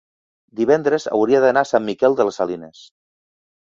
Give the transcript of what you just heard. Divendres hauria d'anar a Sant Miquel de les Salines.